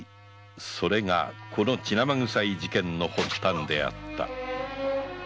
それがこの血生臭い事件の発端であった